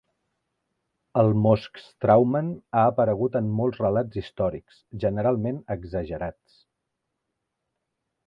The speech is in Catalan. El Moskstraumen ha aparegut en molts relats històrics, generalment exagerats.